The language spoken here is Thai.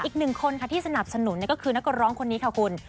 อีกหนึ่งคนค่ะที่สนับสนุนก็คือนักร้องคนนี้ค่ะคุณ